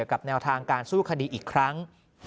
แนวทางการสู้คดีอีกครั้ง